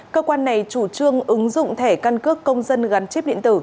cơ quan này chủ trương ứng dụng thẻ căn cước công dân gắn chip điện tử